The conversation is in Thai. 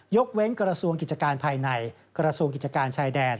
ยกเว้นกรสวงกิจการภายในกรสวงกิจการชายแดน